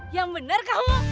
yang bener kamu